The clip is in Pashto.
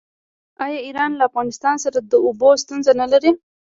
آیا ایران له افغانستان سره د اوبو ستونزه نلري؟